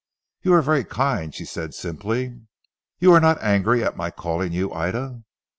"You are very kind," she said simply. "You are not angry at my calling you Ida?"